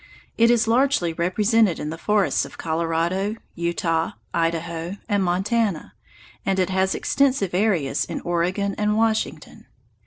It is largely represented in the forests of Colorado, Utah, Idaho, and Montana, and it has extensive areas in Oregon and Washington.